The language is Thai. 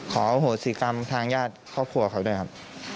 โหสิกรรมทางญาติครอบครัวเขาด้วยครับ